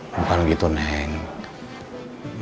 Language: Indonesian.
bukan gitu nenek